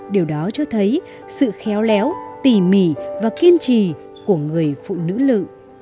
điều đó cho thấy sự khéo léo tỉ mỉ và kiên trì của người phụ nữ lự